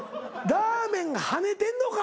ラーメンが跳ねてんのか！